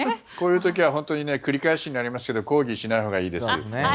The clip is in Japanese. こういう時は本当に繰り返しになりますけどコーギーしないほうがいいです。